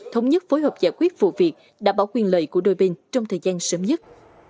thống nhất phối hợp giải quyết vụ việc đảm bảo quyền lợi của đôi bên trong thời gian sớm nhất